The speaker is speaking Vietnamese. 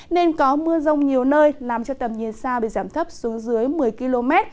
nên có mưa rông nhiều nơi làm cho tầm nhiên sa bị giảm thấp xuống dưới một mươi km